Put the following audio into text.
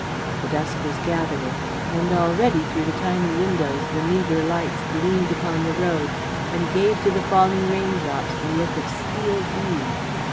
The dusk was gathering, and already through the tiny windows the meagre lights gleamed upon the road and gave to the falling raindrops the look of steel beads.